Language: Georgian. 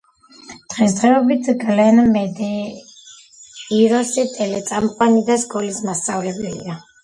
დღესდღეობით გლენ მედეიროსი ტელეწამყვანი და სკოლის მასწავლებელია.